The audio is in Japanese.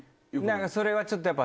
それはちょっとやっぱ。